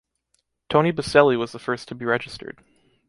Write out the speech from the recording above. Tony Boselli was the first to be registered.